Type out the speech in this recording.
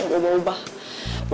gue mau bawa